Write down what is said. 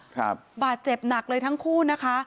บาดเจ็บหนักเลยทั้งคู่นะคะ